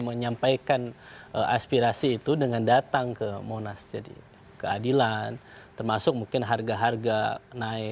menyampaikan aspirasi itu dengan datang ke monas jadi keadilan termasuk mungkin harga harga naik